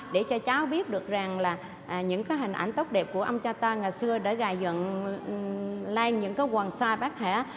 để cho cháu biết được rằng là những cái hình ảnh tóc đẹp của ông cha ta ngày xưa đã gài dựng lên những cái quần xoa bác hải